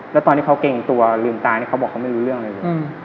แล้วตอนที่เขาเกรงตัวลืมตานี่เขาบอกเขาไม่รู้เรื่องเลย